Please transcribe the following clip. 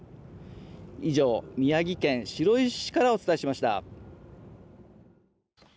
以上、宮城県白石市からお伝えしました。